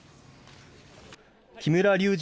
木村隆二